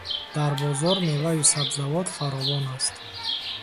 Дар бозор меваю сабзавот фаровон аст.